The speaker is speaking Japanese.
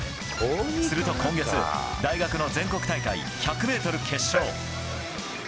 すると今月大学の全国大会、１００ｍ決勝。